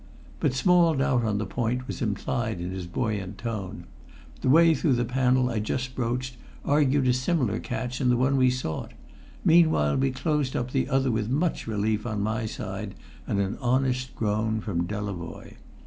But small doubt on the point was implied in his buoyant tone; the way through the panel just broached argued a similar catch in the one we sought; meanwhile we closed up the other with much relief on my side and an honest groan from Delavoye.